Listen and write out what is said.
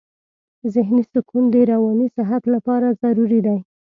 ذهني سکون د رواني صحت لپاره ضروري دی.